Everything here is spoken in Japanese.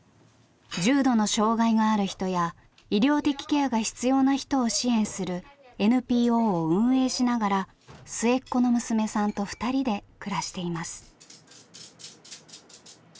重度の障害がある人や医療的ケアが必要な人を支援するＮＰＯを運営しながら末っ子の娘さんと２人で暮らしています。